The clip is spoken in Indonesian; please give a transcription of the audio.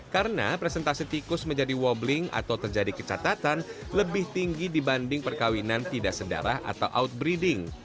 karena presentasi tikus menjadi wobbling atau terjadi kecatatan lebih tinggi dibanding perkawinan tidak sedara atau outbreeding